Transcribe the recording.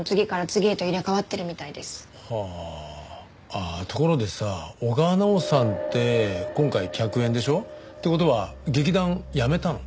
ああところでさ小川奈央さんって今回客演でしょ？って事は劇団辞めたの？